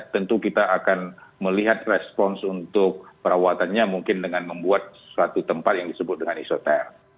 tentu kita akan melihat respons untuk perawatannya mungkin dengan membuat suatu tempat yang disebut dengan isoter